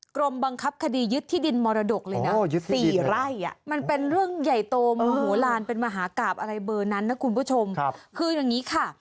กรมบังคับคดียึดที่ดินมรดกเลยนะ๔ไร่มันเป็นเรื่องใหญ่โตโมโหลานเป็นมหากราบอะไรเบอร์นั้นนะคุณผู้ชมคืออย่างนี้ค่ะ